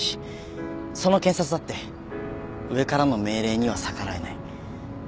その検察だって上からの命令には逆らえない。